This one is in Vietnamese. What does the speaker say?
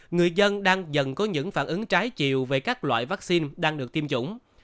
người dân đang dần có những phản ứng trái chiều về các loại vaccine đang được tiêm chủng